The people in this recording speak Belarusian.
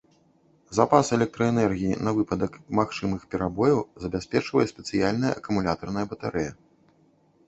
Запас электраэнергіі на выпадак магчымых перабояў забяспечвае спецыяльная акумулятарная батарэя.